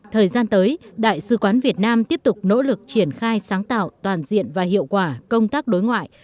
thời gian tới đại sứ quán việt nam tiếp tục nỗ lực triển khai sáng tạo toàn diện và hiệu quả công tác đối ngoại